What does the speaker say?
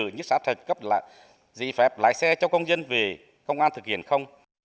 như xã thật cấp là giấy phép lái xe cho công dân về công an thực hiện không